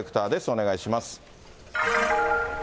お願いします。